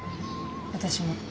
私も。